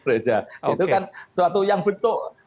itu kan suatu yang betul